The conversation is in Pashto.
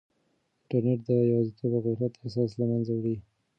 انټرنیټ د یوازیتوب او غفلت احساس له منځه وړي.